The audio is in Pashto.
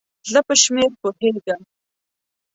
زه په شمېر پوهیږم